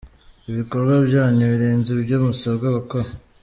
Ibikorwa byanyu birenze ibyo musabwa gukora.